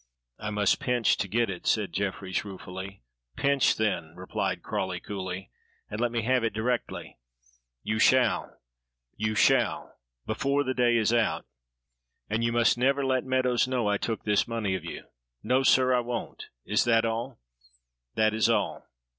"I must pinch to get it," said Jefferies ruefully. "Pinch then," replied Crawley coolly; "and let me have it directly." "You shall you shall before the day is out." "And you must never let Meadows know I took this money of you." "No, sir, I won't! is that all?" "That is all."